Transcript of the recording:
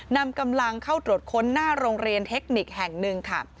นำกำลังเข้าตรวจค้นหน้าโรงเรียนเทคนิคแห่งหนึ่งค่ะ